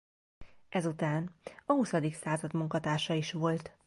Ezután a Huszadik Század munkatársa is volt.